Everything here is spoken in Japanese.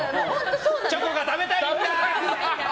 チョコが食べたいんだー！